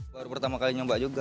baru pertama kali nyoba juga